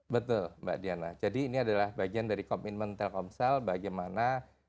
betul mbak diana jadi ini adalah bagian dari komitmen telkomsel bagaimana